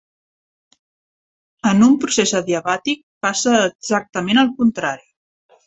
En un procés adiabàtic passa exactament el contrari.